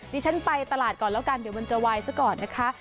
ฉันไปตลาดก่อนแล้วกันเดี๋ยวมันจะวายซะก่อนนะคะ